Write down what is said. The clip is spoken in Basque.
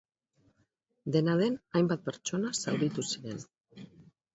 Dena den, hainbat pertsona zauritu ziren.